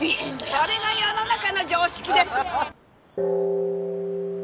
それが世の中の常識です。